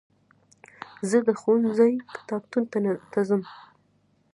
زه د ښوونځي کتابتون ته ځم.